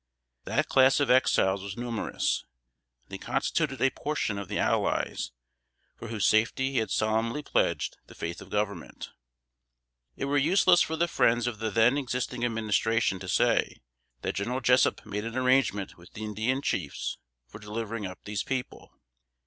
That class of Exiles was numerous; they constituted a portion of the "allies" for whose safety he had solemnly pledged the faith of Government. It were useless for the friends of the then existing Administration to say, that General Jessup made an arrangement with the Indian chiefs for delivering up these people.